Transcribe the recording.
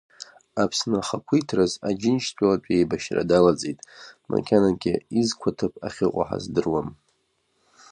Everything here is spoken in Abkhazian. Аԥсны ахақәиҭтәраз Аџьынџьтәылатә еибашьра далаӡит, макьанагьы изқәаҭыԥ ахьыҟоу ҳаздыруам.